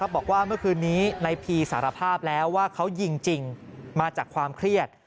บอกว่าเมื่อคืนนี้ในพีสารภาพแล้วว่าเขายิงจริงมาจากความเครียด